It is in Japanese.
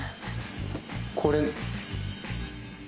これ。